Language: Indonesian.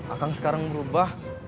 akang sekarang berubah